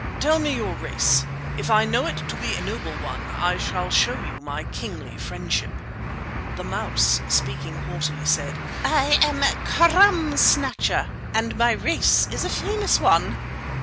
Tell me your race. If I know it to be a noble one I shall show you my kingly friendship." The mouse, speaking haughtily, said: "I am Crumb Snatcher, and my race is a famous one.